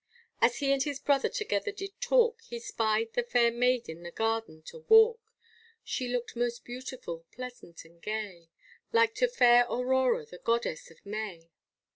As he and his brother together did talk, He spied the fair maid in the garden to walk, She looked most beautiful, pleasant and gay, Like to fair Aurora, the goddess of May.